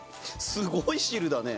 すごい汁だね。